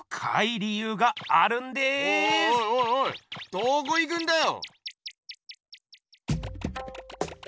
どこ行くんだよ！